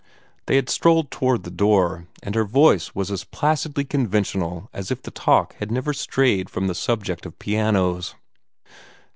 They had strolled toward the door, and her voice was as placidly conventional as if the talk had never strayed from the subject of pianos.